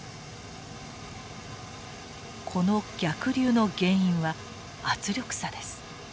この逆流の原因は圧力差です。